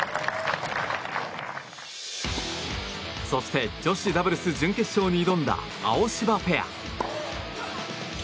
そして、女子ダブルス準決勝に挑んだアオシバペア。